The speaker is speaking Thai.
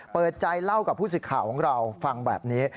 เปิดใจเล่ากับผู้สิทธิ์ข่าวของเราฟังแบบนี้